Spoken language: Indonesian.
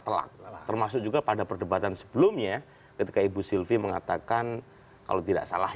telak termasuk juga pada perdebatan sebelumnya ketika ibu sylvi mengatakan kalau tidak salah